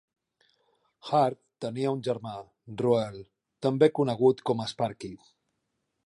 Harve tenia un germà, Ruel, també conegut com a "Sparkie".